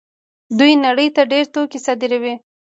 دوی نړۍ ته ډېر توکي صادروي.